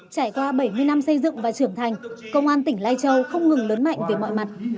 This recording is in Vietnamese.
trải qua bảy mươi năm xây dựng và trưởng thành công an tỉnh lai châu không ngừng lớn mạnh về mọi mặt